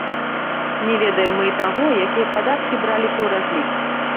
Не ведаем мы і таго, якія падаткі браліся ў разлік.